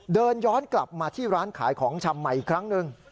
เดินย้อนกลับมาที่ร้านขายของชำใหม่อีกครั้งหนึ่ง